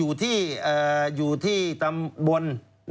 อยู่ที่ตำบล